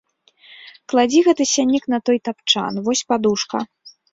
Кладзі гэты сяннік на той тапчан, вось падушка.